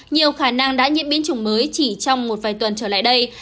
nhiều khả năng đã nhiễm biến chủng mới chỉ trong một vài tuần trở lại đây